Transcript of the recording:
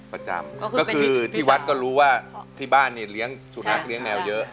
ประจำก็คือที่วัดก็รู้ว่าที่บ้านเนี่ยเลี้ยงสุนัขเลี้ยแมวเยอะ